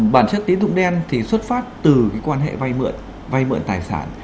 bản chất tiến dụng đen thì xuất phát từ quan hệ vai mượn vai mượn tài sản